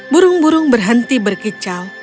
burung burung berhenti berkicau